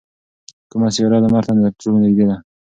کومه سیاره لمر ته تر ټولو نږدې ده؟